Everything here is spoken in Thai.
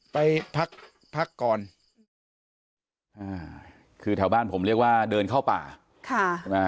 ไปพักพักก่อนอ่าคือแถวบ้านผมเรียกว่าเดินเข้าป่าค่ะใช่ไหม